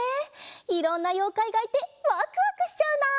いろんなようかいがいてワクワクしちゃうな。